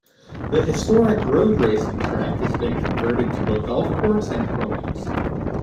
The historic road racing track has been converted to a golf course and homes.